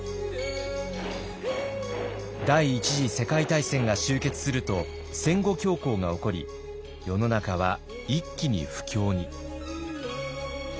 第一次世界大戦が終結すると戦後恐慌が起こり世の中は一気に不況に。